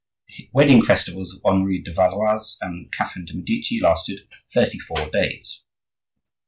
The wedding festivities of Henri de Valois and Catherine de' Medici lasted thirty four days.